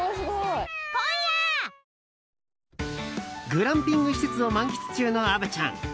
グランピング施設を満喫中の虻ちゃん。